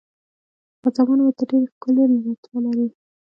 خان زمان وویل، ته ډېره ښکلې رتبه لرې.